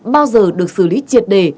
bao giờ được xử lý triệt đề